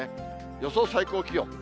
予想最高気温。